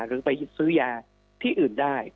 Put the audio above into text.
หรือไปซื้อยาที่อื่นได้